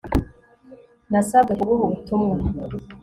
Nasabwe kuguha ubutumwa